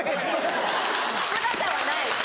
・姿はない。